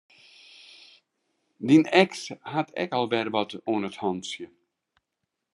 Dyn eks hat ek al wer wat oan 't hantsje.